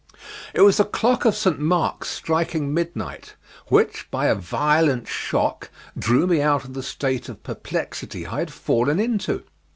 It was the clock of St. Mark's striking midnight, which, by a violent shock, drew me out of the state of perplexity I had fallen into.